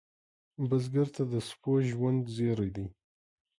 بزګر ته د سبو ژوند زېری دی